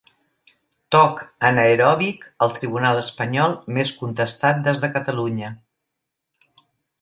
Toc anaeròbic al tribunal espanyol més contestat des de Catalunya.